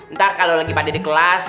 ntar kalau lagi mandi di kelas